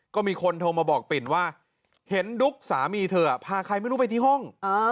ก็มีคนโทรมาบอกปิ่นว่าเห็นดุ๊กสามีเธอพาใครไม่รู้ไปที่ห้อง